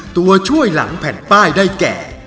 ตัวช่วยหลังแผ่นป้ายได้แก่